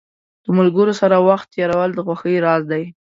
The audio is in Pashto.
له ملګرو سره وخت تېرول د خوښۍ راز دی.